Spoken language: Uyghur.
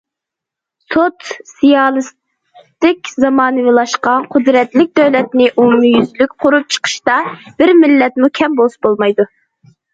سوتسىيالىستىك زامانىۋىلاشقان قۇدرەتلىك دۆلەتنى ئومۇميۈزلۈك قۇرۇپ چىقىشتا، بىر مىللەتمۇ كەم بولسا بولمايدۇ.